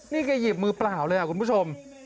ทีนี้เก่งมือปล่าวเลยอ่ะคุณผู้ชม